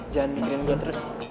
jangan mikirin gue terus